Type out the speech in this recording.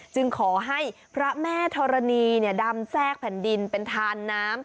จึงขอให้พระแม่ธรณีดำแทรกแผ่นดินเป็นทานน้ำ